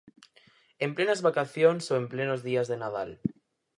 En plenas vacacións ou en plenos días de Nadal.